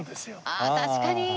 ああ確かに。